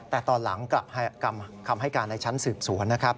แต่ตอนหลังกลับคำให้การในชั้นสืบสวนนะครับ